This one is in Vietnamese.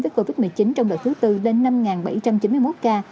với covid một mươi chín trong đợt thứ tư lên năm bảy trăm chín mươi một ca